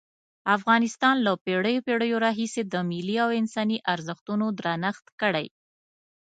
افغانستان له پېړیو پېړیو راهیسې د ملي او انساني ارزښتونو درنښت کړی.